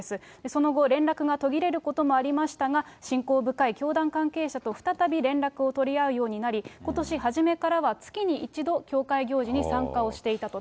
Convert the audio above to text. その後、連絡が途切れることもありましたが、親交深い教団関係者と再び連絡を取り合うようになり、ことし初めからは月に１度、教会行事に参加をしていたと。